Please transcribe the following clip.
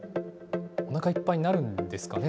おなかいっぱいになるんですかね。